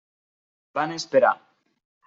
Van esperar.